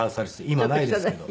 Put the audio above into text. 今ないですけど。